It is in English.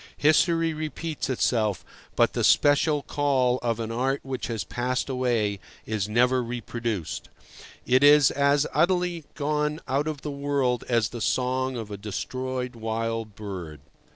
History repeats itself, but the special call of an art which has passed away is never reproduced. It is as utterly gone out of the world as the song of a destroyed wild bird.